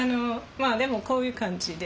まあでもこういう感じで。